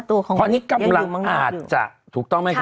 ตอนนี้กำลังอาจจะถูกต้องไหมครับ